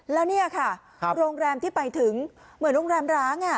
แล้วเนี่ยค่ะโรงแรมที่ไปถึงเหมือนโรงแรมร้าง